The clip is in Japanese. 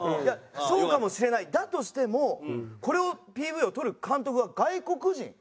いやそうかもしれないだとしてもこれをＰＶを撮る監督が外国人。